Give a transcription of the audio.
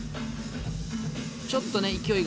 ちょっとね勢いが。